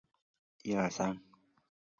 这件事改变了汉克一直以来的生活态度。